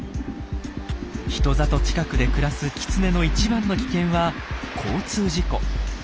人里近くで暮らすキツネの一番の危険は交通事故。